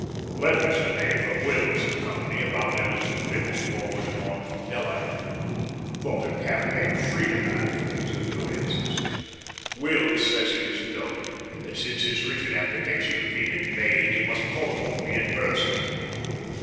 Letters to day from Wills & Co. about their little bill forwarded on from Delhi. Thought a campaign freed a man from these annoyances. Wills says in his note that, since his written applications have been in vain, he must call upon me in person.